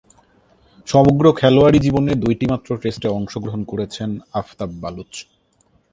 সমগ্র খেলোয়াড়ী জীবনে দুইটিমাত্র টেস্টে অংশগ্রহণ করেছেন আফতাব বালুচ।